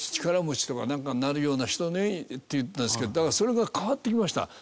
力持ちとかなんかになるような人にっていってたんですけどそれが変わってきました。